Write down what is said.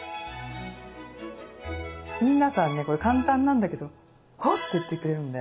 皆さんねこれ簡単なんだけどおって言ってくれるんで。